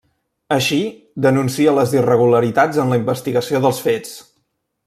Així, denúncia les irregularitats en la investigació dels fets.